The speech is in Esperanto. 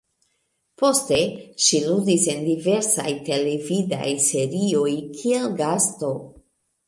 Poste ŝi ludis en diversaj televidaj serioj, kiel gasto.